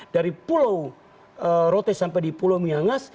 dari pulau rote sampai di pulau miangas